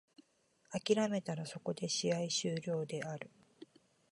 諦めたらそこで試合終了である。